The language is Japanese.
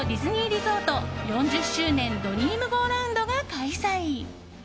リゾート４０周年“ドリームゴーラウンド”が開催。